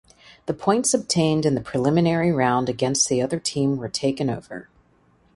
The points obtained in the preliminary round against the other team were taken over.